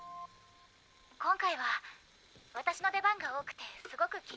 今回は私の出番が多くてすごく緊張してます。